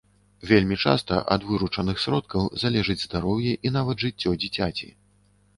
Вельмі часта ад выручаных сродках залежыць здароўе і нават жыццё дзіцяці.